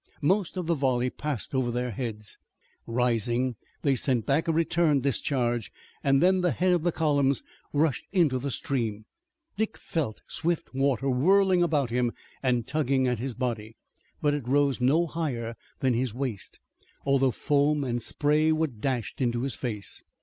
Most of the volley passed over their heads. Rising they sent back a return discharge, and then the head of the columns rushed into the stream. Dick felt swift water whirling about him and tugging at his body, but it rose no higher than his waist, although foam and spray were dashed into his face.